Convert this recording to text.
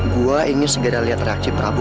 gue ingin segera lihat raci prabu